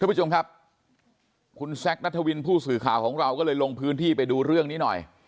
ผู้ชมครับคุณแซคนัทวินผู้สื่อข่าวของเราก็เลยลงพื้นที่ไปดูเรื่องนี้หน่อย